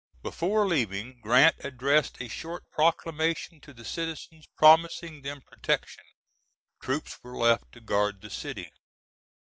Before leaving Grant addressed a short proclamation to the citizens promising them protection. Troops were left to guard the city.